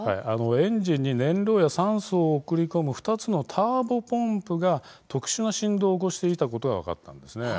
エンジンに燃料や酸素を送り込む２つのターボポンプが特殊な振動を起こしていたことが分かったんです。